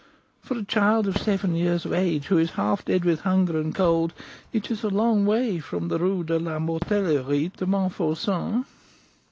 For a child of seven years of age, who is half dead with hunger and cold, it is a long way from the Rue de la Mortellerie to Montfauçon."